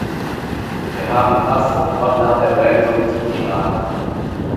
Wir haben fast sofort nach der Bremsung zugeschlagen.